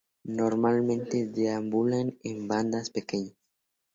Normalmente deambulan en bandas pequeñas.